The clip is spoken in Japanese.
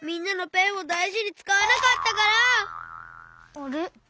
あれ？